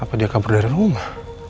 apa dia kabur dari rumah